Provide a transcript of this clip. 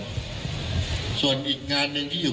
คุณผู้ชมไปฟังผู้ว่ารัฐกาลจังหวัดเชียงรายแถลงตอนนี้ค่ะ